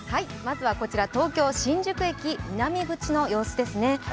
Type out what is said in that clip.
まずはこちら東京・新宿駅、南口の様子ですね。